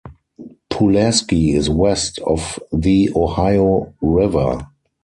Pulaski is west of the Ohio River.